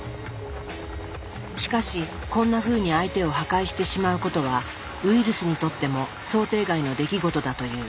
しかしこんなふうに相手を破壊してしまうことはウイルスにとっても想定外の出来事だという。